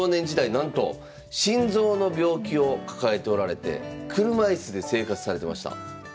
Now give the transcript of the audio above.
なんと心臓の病気を抱えておられて車椅子で生活されてました。